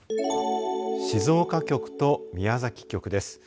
静岡局と宮崎局です。